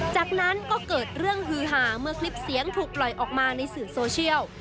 จากนั้นก็เกิดเรื่องฮือหาเมื่อคลิปเสียงถูกปล่อยออกมาในสื่อโซเชียล